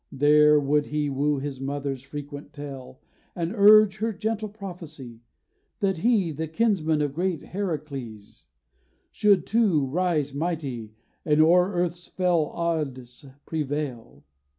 There would he woo his mother's frequent tale, And urge her gentle prophecy, that he The kinsman of great Herakles, should too Rise, mighty, and o'er earth's fell odds prevail.